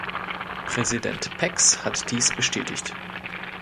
Präsident Pex hat dies bestätigt.